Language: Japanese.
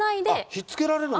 ひっつけられるんだ。